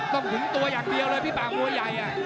ต้องถึงตัวอย่างเดียวเลยพี่บางมัวใหญ่